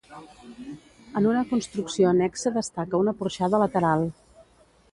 En una construcció annexa destaca una porxada lateral.